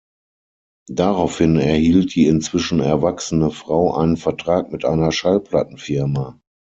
Daraufhin erhielt die inzwischen erwachsene Frau einen Vertrag mit einer Schallplattenfirma.